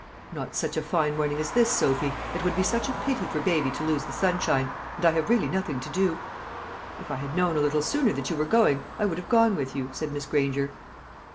"Not such a fine morning as this, Sophy. It would be such a pity for baby to lose the sunshine; and I have really nothing to do." "If I had known a little sooner that you were going, I would have gone with you," said Miss Granger.